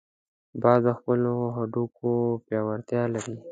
باز د خپلو هډوکو پیاوړتیا لري